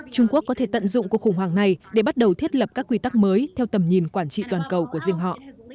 trung quốc có thể tận dụng cuộc khủng hoảng này để bắt đầu thiết lập các quy tắc mới theo tầm nhìn quản trị toàn cầu của riêng họ